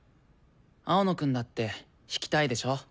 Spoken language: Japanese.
青野くんだって弾きたいでしょ？